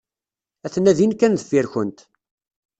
Aten-a din kan deffir-kunt.